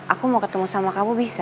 aku mau ketemu sama kamu bisa